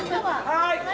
はい！